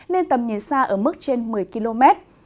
nên tầm nhìn xa ở mức trên một mươi km